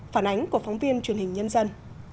phản ánh của phóng viên truyền hình nhân dân